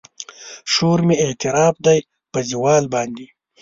شور مې اعتراف دی په زوال باندې